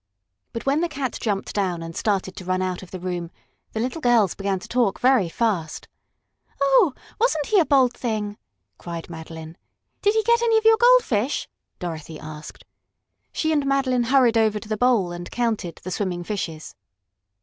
But when the cat jumped down and started to run out of the room, the little girls began to talk very fast. "Oh, wasn't he a bold thing!" cried Madeline. "Did he get any of your goldfish?" Dorothy asked. She and Madeline hurried over to the bowl and counted the swimming fishes.